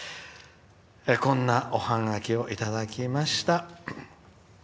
こんなおハガキをいただきました。